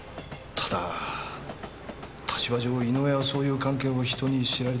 ただ立場上井上はそういう関係を人に知られたくない。